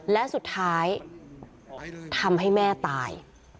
และสุดท้ายทำให้แม่ตาย